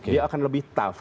dia akan lebih tough